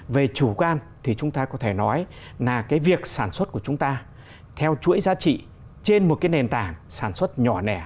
về chủ quan thì chúng ta có thể nói là việc sản xuất của chúng ta theo chuỗi giá trị trên một nền tảng sản xuất nhỏ nẻ